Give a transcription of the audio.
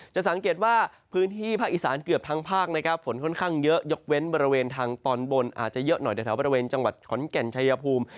จะสังเกตว่าพื้นที่ภาคอีสานเกือบทั้งภาคนะครับฝนค่อนข้างเยอะยกเว้นบริเวณทางตอนบนอาจจะเยอะหน่อยในแถวบริเวณจังหวัดขอนแก่นชายภูมิ